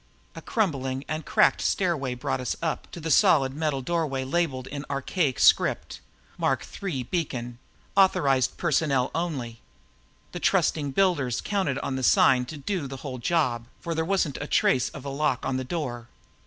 A crumbling and cracked stone stairway brought us up to a solid metal doorway labeled in archaic script MARK III BEACON AUTHORIZED PERSONNEL ONLY. The trusting builders counted on the sign to do the whole job, for there wasn't a trace of a lock on the door.